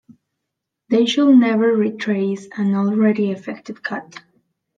They should never retrace an already effected cut.